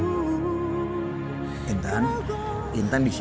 tidak bisa menangkapku